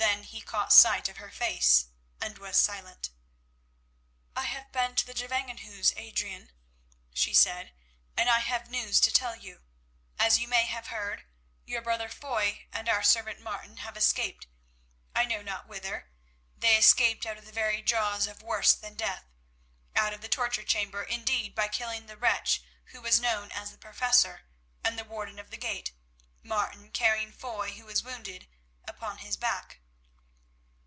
Then he caught sight of her face and was silent. "I have been to the Gevangenhuis, Adrian," she said, "and I have news to tell you. As you may have heard, your brother Foy and our servant Martin have escaped, I know not whither. They escaped out of the very jaws of worse than death, out of the torture chamber, indeed, by killing that wretch who was known as the Professor, and the warden of the gate, Martin carrying Foy, who is wounded, upon his back."